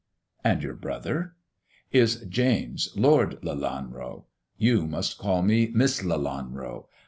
And your brother ]"" Is James, Lord Lelanro ! You must call me Miss Lelanro !